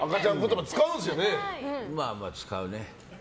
まあまあ使うね。